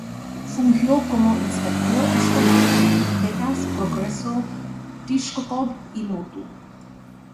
Fungió como inspector escolar en Tekax, Progreso, Tixkokob y Motul.